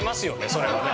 それはね。